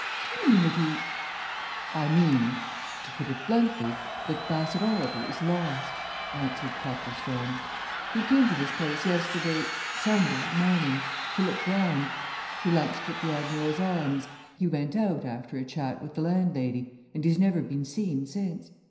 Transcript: Do you mean that he " "I mean to put it bluntly that Bassett Oliver is lost," answered Copplestone. "He came to this place yesterday, Sunday, morning, to look round; he lunched at the 'Admiral's Arms,' he went out, after a chat with the landlady, and he's never been seen since.